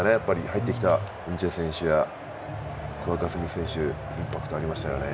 入ってきたヌチェ選手やクワッガ・スミス選手インパクトありましたね。